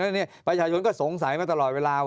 แล้วเนี่ยประชาชนก็สงสัยมาตลอดเวลา